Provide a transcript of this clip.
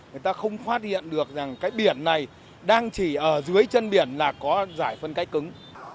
người ta không phát hiện được rằng cái biển này đang chỉ ở dưới chân biển là có giải phân cách cứng